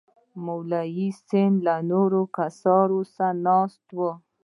مولوي سندی او نور کسان ناست وو.